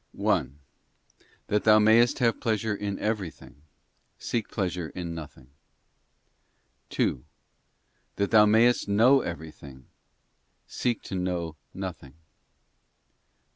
1. That thou mayest have pleasure in everything, seek pleasure in nothing. 2. That thou mayest know everything, seek to know nothing.